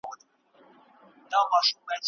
غړي به د حاجيانو د ستونزو د حل لاري چاري لټوي.